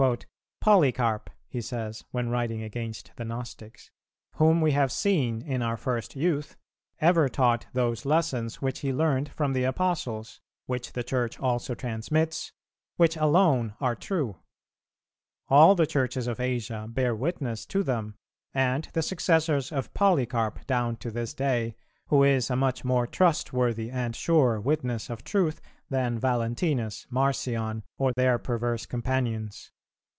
"Polycarp," he says when writing against the Gnostics, "whom we have seen in our first youth, ever taught those lessons which he learned from the Apostles, which the Church also transmits, which alone are true. All the Churches of Asia bear witness to them; and the successors of Polycarp down to this day, who is a much more trustworthy and sure witness of truth than Valentinus, Marcion, or their perverse companions.